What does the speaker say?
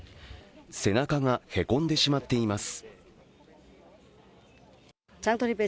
背中がへこんでしまっています。